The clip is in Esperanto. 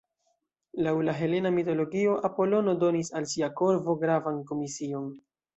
Laŭ la helena mitologio, Apolono donis al sia korvo gravan komision.